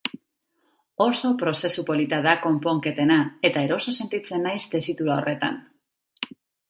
Oso prozesu polita da konponketena, eta eroso sentitzen naiz tesitura horretan.